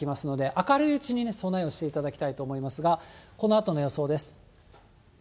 明るいうちに備えをしていただきたいと思いますが、このあとの予想です。